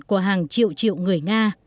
của hàng triệu triệu người